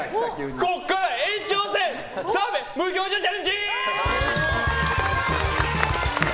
ここから延長戦澤部無表情チャレンジ！